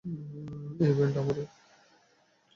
এই ব্যান্ড আমারই।